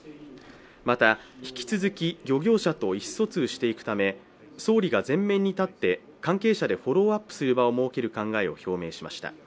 また、引き続き漁業者と意思疎通していくため総理が前面に立って関係者でフォローアップする場を設ける考えを表明しました。